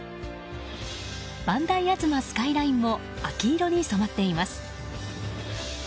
磐梯吾妻スカイラインも秋色に染まっています。